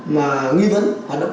mà nghi vấn hoạt động